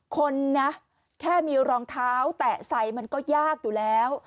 คนนะแค่มีรองเท้าแตะใส่มันก็ยากอยู่แล้ว